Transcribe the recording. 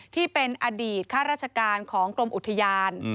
ที่เป็นอดีตข้าราชการของกรมอุทยาน